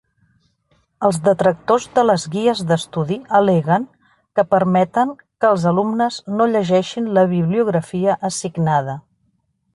Els detractors de les guies d'estudi al·leguen que permeten que els alumnes no llegeixin la bibliografia assignada.